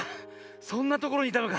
そんなところにいたのか。